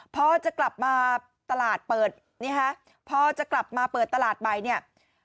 พอจะกลับมาตลาดเปิดนี่ฮะพอจะกลับมาเปิดตลาดใหม่เนี่ย